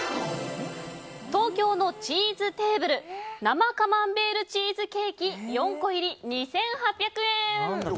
東京のチーズテーブル生カマンベールチーズケーキ４個入り、２８００円。